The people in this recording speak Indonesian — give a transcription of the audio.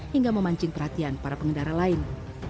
hingga memancing perhatian para pengendara lain